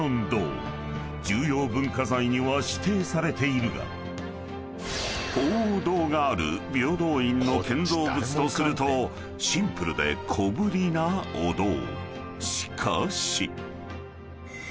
［重要文化財には指定されているが鳳凰堂がある平等院の建造物とするとシンプルで小ぶりなお堂］